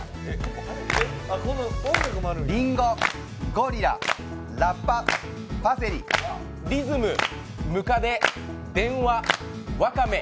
りんご・ゴリラ・ラッパ・パセリリズム、むかで、電話、わかめ。